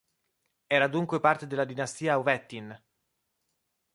Era dunque parte della dinastia Wettin.